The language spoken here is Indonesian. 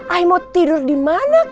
ayo mau tidur di mana kak